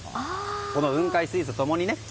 この雲海スイーツと共に。